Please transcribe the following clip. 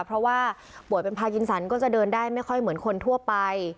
เพราะว่าป่วยเป็นพากินสันก็จะเดินได้ไม่ค่อยเหมือนคนทั่วไป